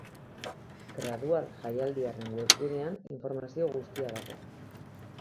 Gradual jaialdiaren webgunean informazio guztia dago.